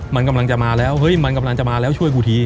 มันกำลังจะมาแล้วเฮ้ยมันกำลังจะมาแล้วช่วยกูที